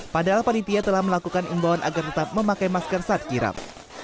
padahal panitia telah melakukan imbauan agar tetap memakai masker saat kirap